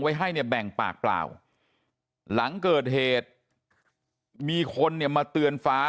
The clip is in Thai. ให้เนี่ยแบ่งปากเปล่าหลังเกิดเหตุมีคนเนี่ยมาเตือนฟ้า